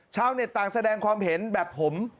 ชาวเน็ตต่างแสดงความเห็นแบบผม